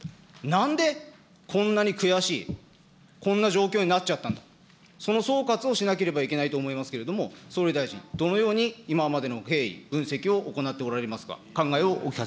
なんでこんなに悔しい、こんな状況になっちゃったんだ、その総括をしなければいけないと思いますけれども、総理大臣、どのように今までの経緯、分析を行っておられますか。